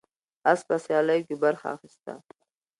اس په سیالیو کې برخه اخیسته.